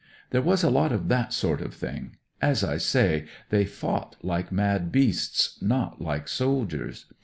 " There was a lot of that sort of thing. As I say, they fought like mad beasts, not like soldiers.